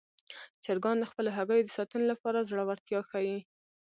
چرګان د خپلو هګیو د ساتنې لپاره زړورتیا ښيي.